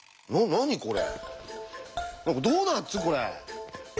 何だこれ？